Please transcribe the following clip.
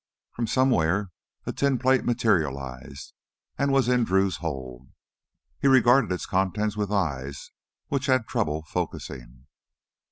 From somewhere a tin plate materialized, and was in Drew's hold. He regarded its contents with eyes which had trouble focusing.